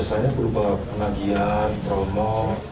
biasanya berubah pengagihan promo